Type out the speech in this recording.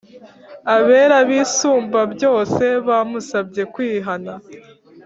abera bisumbabyose bamusabye kwihana